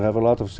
ở hà nội không